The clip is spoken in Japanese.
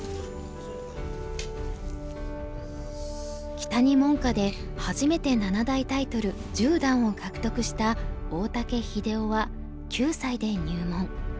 木谷門下で初めて七大タイトル十段を獲得した大竹英雄は９歳で入門。